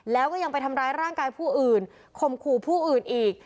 แล้วก็ยังไปทำร้ายร่างกายผู้อื่นข่มขู่ผู้อื่นอีก